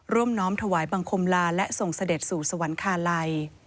น้อมถวายบังคมลาและส่งเสด็จสู่สวรรคาลัย